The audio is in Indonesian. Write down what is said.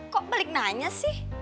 kok balik nanya sih